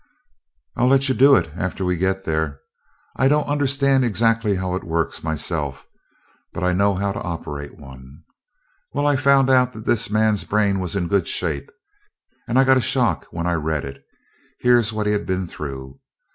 "I'll let you do it after we get there. I don't understand exactly how it works, myself, but I know how to operate one. Well, I found out that this man's brain was in good shape, and I got a shock when I read it. Here's what he had been through.